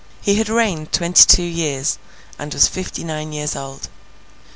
He had reigned twenty two years, and was fifty nine years old.